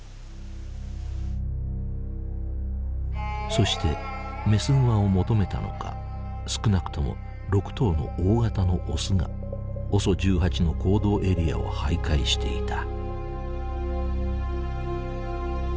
そしてメスグマを求めたのか少なくとも６頭の大型のオスがＯＳＯ１８の行動エリアを徘徊していた。